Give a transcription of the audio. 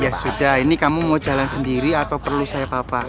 ya sudah ini kamu mau jalan sendiri atau perlu saya bapak